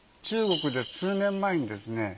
中国で数年前にですね